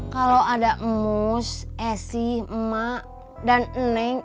kalau ada mus esih emak dan eneng